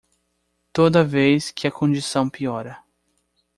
Toda vez que a condição piora